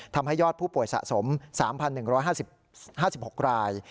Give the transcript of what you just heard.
ทำให้ยอดผู้ป่วยสะสม๓๑๕๖ราย